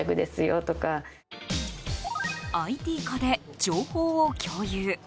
ＩＴ化で情報を共有。